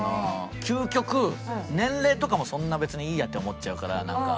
究極年齢とかもそんな別にいいやって思っちゃうから。